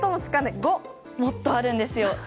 もっとあるんですよ。